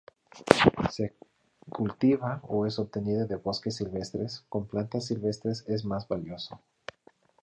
Se cultiva o es obtenida de bosques silvestres, con plantas silvestres es más valioso.